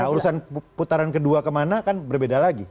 kalau urusan putaran ke dua kemana kan berbeda lagi